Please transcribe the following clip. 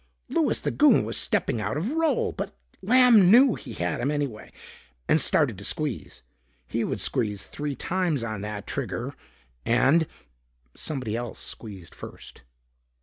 Louis the Goon was stepping out of role. But Lamb knew he had him anyway and started to squeeze. He would squeeze three times on that trigger and Somebody else squeezed first.